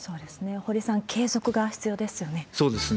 堀さん、継続が必要ですよね。